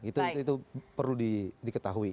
itu perlu diketahui